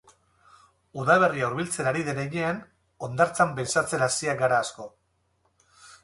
Udaberria hurbiltzen ari den heinean, hondartzan pentsatzen hasiak gara asko.